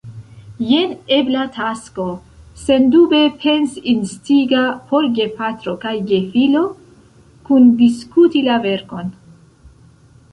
Jen ebla tasko, sendube pens-instiga, por gepatro kaj gefilo: kundiskuti la verkon.